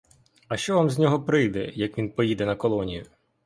А що вам з нього прийде, як він поїде на колонію?